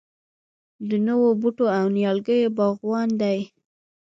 د نوو بوټو او نیالګیو باغوانان دي.